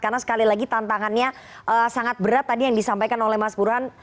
karena sekali lagi tantangannya sangat berat tadi yang disampaikan oleh mas buruhan